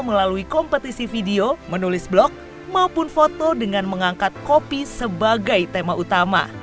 melalui kompetisi video menulis blog maupun foto dengan mengangkat kopi sebagai tema utama